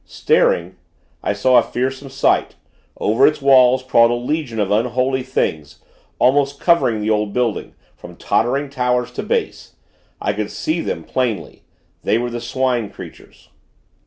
Staring, I saw a fearsome sight over its walls crawled a legion of unholy things, almost covering the old building, from tottering towers to base. I could see them, plainly; they were the Swine creatures.